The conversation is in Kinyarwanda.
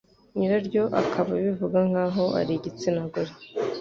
nyiraryo akaba abivuga nkaho ari igitsina gore